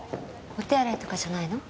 お手洗いとかじゃないの？